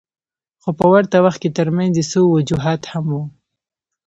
خو په ورته وخت کې ترمنځ یې څو وجوهات هم وو.